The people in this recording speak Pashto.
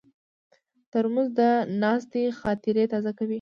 ترموز د ناستې خاطرې تازه کوي.